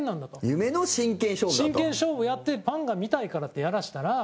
古田：真剣勝負やってファンが見たいからってやらせたら。